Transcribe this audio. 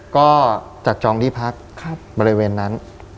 ก็จัดจองที่พักบริเวณนั้น